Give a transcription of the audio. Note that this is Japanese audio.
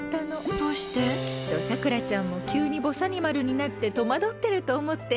きっと、さくらちゃんも急に急に、ぼさにまるになって戸惑ってると思って。